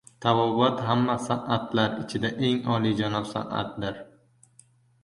Tabobat hamma san’atlar ichida eng olijanob san’atdir.